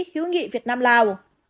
hiếu nghị việt nam lào